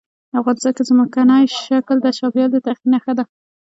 افغانستان کې ځمکنی شکل د چاپېریال د تغیر نښه ده.